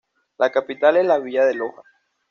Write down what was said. La capital es la villa de Loja.